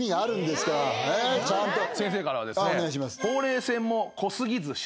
先生からはですね。